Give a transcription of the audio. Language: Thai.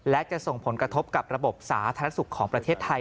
และจะส่งผลกระทบกับระบบสาธารณสุขของประเทศไทย